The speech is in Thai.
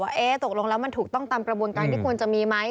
ว่าตกลงแล้วมันถูกต้องตามกระบวนการที่ควรจะมีไหม